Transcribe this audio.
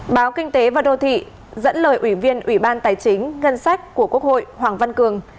báo kinh tế và đô thị dẫn lời ủy viên ủy ban tài chính ngân sách của quốc hội hoàng văn cường